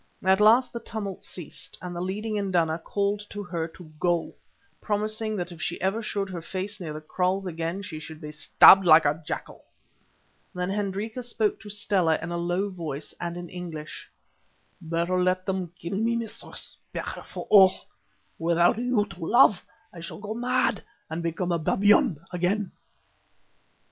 At last the tumult ceased, and the leading induna called to her to go, promising that if ever she showed her face near the kraals again she should be stabbed like a jackal. Then Hendrika spoke to Stella in a low voice and in English— "Better let them kill me, mistress, better for all. Without you to love I shall go mad and become a babyan again."